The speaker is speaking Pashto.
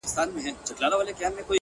ورته ور چي وړې په لپو کي گورگورې~